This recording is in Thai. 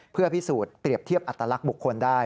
เพื่อพิสูจน์เปรียบเทียบอัตลักษณ์บุคคลได้